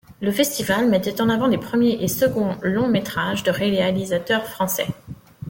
Le festival mettait en avant des premiers et seconds longs métrages de réalisateurs français.